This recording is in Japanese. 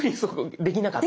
できなかった。